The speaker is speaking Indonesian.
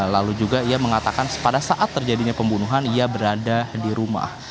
lalu juga ia mengatakan pada saat terjadinya pembunuhan ia berada di rumah